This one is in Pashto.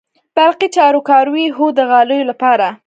برقی جارو کاروئ؟ هو، د غالیو لپاره